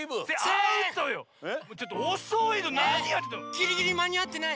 ギリギリまにあってない？